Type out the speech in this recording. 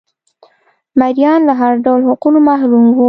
مریان له هر ډول حقونو محروم وو